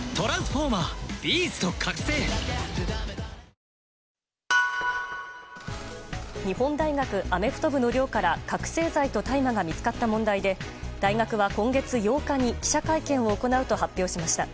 うまクリアアサヒイェーイ日本大学アメフト部の寮から覚醒剤と大麻が見つかった問題で大学は今月８日に記者会見を行うと発表しました。